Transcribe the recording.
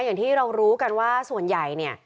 อย่างที่เรารู้กันว่าส่วนใหญ่เนี่ย